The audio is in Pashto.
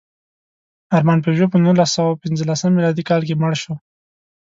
ارمان پيژو په نولسسوهپینځلسم مېلادي کال کې مړ شو.